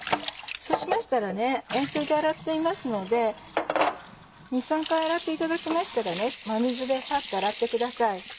そうしましたら塩水で洗っていますので２３回洗っていただきましたら真水でサッと洗ってください。